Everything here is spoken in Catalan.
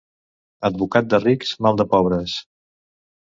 Advocat de rics, mal de pobres.